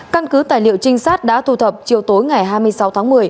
căn cứ tài liệu trinh sát đã thu thập chiều tối ngày hai mươi sáu tháng một mươi